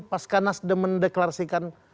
pasca nasdem mendeklarasikan